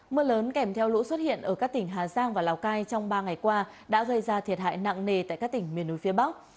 mưa lớn kèm theo lũ xuất hiện ở các tỉnh hà giang và lào cai trong ba ngày qua đã gây ra thiệt hại nặng nề tại các tỉnh miền núi phía bắc